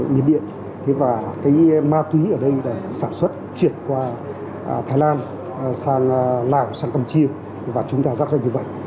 miền điện thế và cái ma túy ở đây là sản xuất chuyển qua thái lan sang lào sang campuchia và chúng ta dắp danh như vậy